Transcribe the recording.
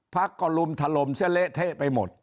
พักก็ลุมถล่มเสียเละเทะไปหมด